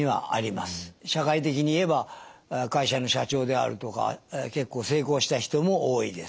社会的に言えば会社の社長であるとか結構成功した人も多いです。